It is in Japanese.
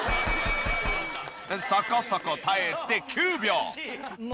そこそこ耐えて９秒。